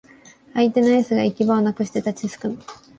相手のエースが行き場をなくして立ちすくむ